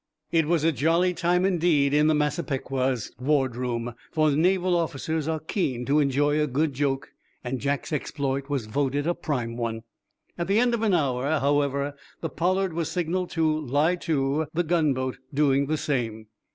It was a jolly time, indeed, in the "Massapequa's" ward room, for Naval officers are keen to enjoy a good joke, and Jack's exploit was voted a prime one. At the end of an hour, however, the "Pollard" was signaled to lie to, the gunboat doing the same.